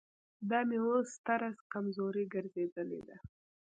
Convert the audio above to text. دا مې اوس ستره کمزوري ګرځېدلې ده.